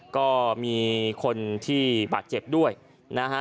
ก็มีคนที่บาดเจ็บด้วยนะฮะ